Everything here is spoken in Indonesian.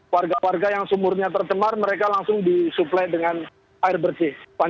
warga warga yang sumurnya tercemar mereka langsung disuplai dengan air bersih